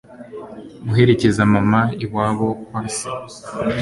guherekeza mama iwabo kwa se